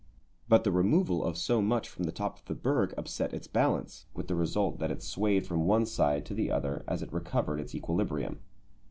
But the removal of so much from the top of the berg upset its balance, with the result that it swayed from one side to the other as it recovered its equilibrium.